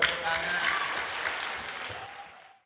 terus tepuk tangan